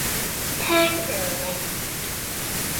聽唔明